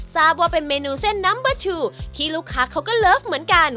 ทราบว่าเป็นเมนูเส้นน้ำปลาชูที่ลูกค้าเขาก็เลิฟเหมือนกัน